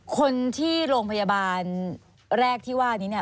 คนที่โรงพยาบาลแรกที่ว่านี้เนี่ย